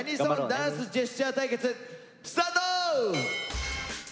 ダンスジェスチャー対決！」スタート！